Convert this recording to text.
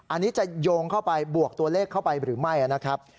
อันนี้จะโยงเข้าไปบวกตัวเลขเข้าไปหรือไม่นะครับ